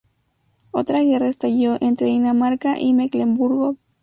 Otra guerra estalló entre Dinamarca y Mecklemburgo.